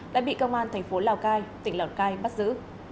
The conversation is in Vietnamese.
đã bị công an tp lào cai tỉnh lào cai bắt giữ